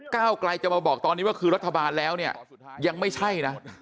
ก้าวไกลจะมาบอกตอนนี้ว่าคือรัฐบาลแล้วเนี่ยยังไม่ใช่นะ